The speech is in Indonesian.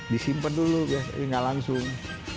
disimpan dulu nggak langsung